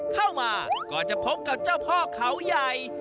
เข้ามาก็จะพบกับเจ้าพ่อเขาใหญ่